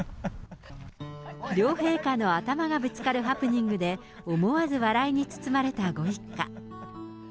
両陛下の頭がぶつかるハプニングで、思わず笑いに包まれたご一家。